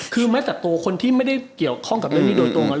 คือแม้แต่ตัวคนที่ไม่ได้เกี่ยวข้องกับเรื่องนี้โดยตรง